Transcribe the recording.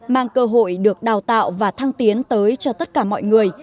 mang cơ hội được đào tạo và thăng tiến tới cho tất cả mọi người